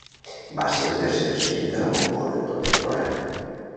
Va ser el tercer president de la Mongòlia contemporània.